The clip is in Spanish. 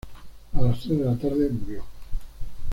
A las tres de la tarde murió.